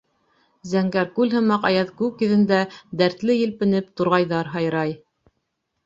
Зәңгәр күл һымаҡ аяҙ күк йөҙөндә, дәртле елпенеп, турғайҙар һайрай.